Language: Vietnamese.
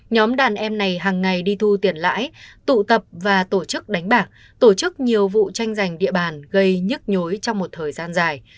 nhóm đàn em này hàng ngày đi thu tiền lãi tụ tập và tổ chức đánh bạc tổ chức nhiều vụ tranh giành địa bàn gây nhức nhối trong một thời gian dài